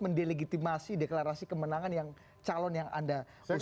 mendelegitimasi deklarasi kemenangan yang calon yang anda usung